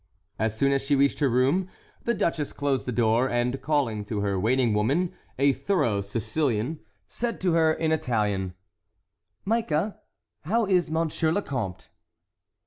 As soon as she reached her room, the duchess closed the door, and, calling to her waiting woman, a thorough Sicilian, said to her in Italian, "Mica, how is Monsieur le Comte?"